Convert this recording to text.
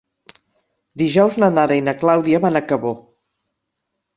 Dijous na Nara i na Clàudia van a Cabó.